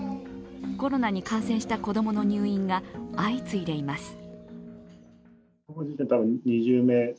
コロナに感染した子供の入院が相次いでいます。